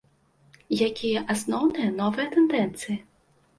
Якія асноўныя новыя тэндэнцыі?